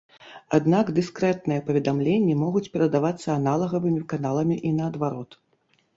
Аднак, дыскрэтныя паведамленні могуць перадавацца аналагавымі каналамі і наадварот.